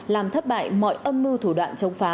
làm thất bại mọi âm mưu thủ đoạn chống phá